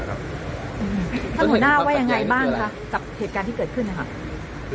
หัวหน้าว่ายังไงบ้างคะกับเหตุการณ์ที่เกิดขึ้นนะครับ